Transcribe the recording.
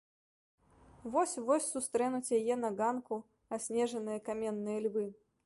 Вось-вось сустрэнуць яе на ганку аснежаныя каменныя львы.